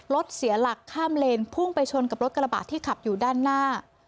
เสียหลักข้ามเลนพุ่งไปชนกับรถกระบะที่ขับอยู่ด้านหน้า